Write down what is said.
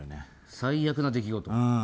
最悪な出来事？